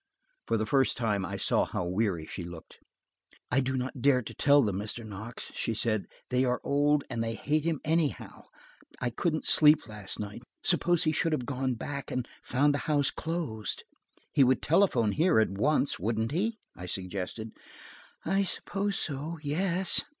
For the first time I saw how weary she looked. "I do not dare to tell them, Mr. Knox," she said. "They are old, and they hate him anyhow. I couldn't sleep last night. Suppose he should have gone back, and found the house closed!" "He would telephone here at once, wouldn't he?" I suggested. "I suppose so, yes."